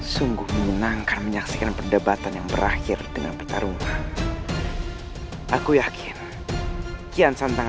sungguh menyenangkan menyaksikan perdebatan yang berakhir dengan pertarungan aku yakin kian santang